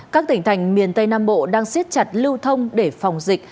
các tỉnh thành miền tây nam bộ đang siết chặt lưu thông để phòng dịch